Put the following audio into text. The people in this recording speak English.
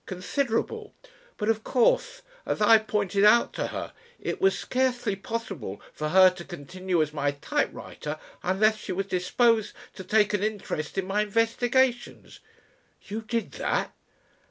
Considerable. But of course as I pointed out to her it was scarcely possible for her to continue as my typewriter unless she was disposed to take an interest in my investigations " "You did that?"